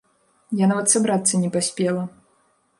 Я нават сабрацца не паспела.